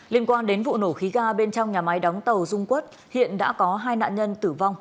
liên quan đến vụ nổ khí ga bên trong nhà máy đóng tàu dung quất hiện đã có hai nạn nhân tử vong